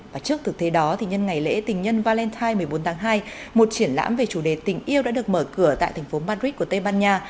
và trước thực thế đó nhân ngày lễ tình nhân valentine một mươi bốn tháng hai một triển lãm về chủ đề tình yêu đã được mở cửa tại thành phố madrid của tây ban nha